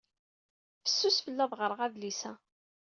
Fessus fell-i ad ɣreɣ adlis-a.